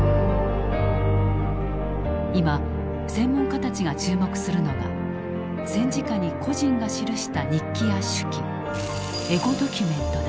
今専門家たちが注目するのが戦時下に個人が記した日記や手記エゴドキュメントだ。